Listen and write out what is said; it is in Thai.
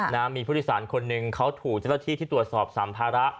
นะมีผู้โดยสารคนหนึ่งเขาถูกเจ้าหน้าที่ที่ตรวจสอบสัมภาระ